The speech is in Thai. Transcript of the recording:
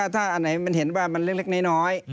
ถ้าอันไหนมันเห็นว่ามันเล็กน้อย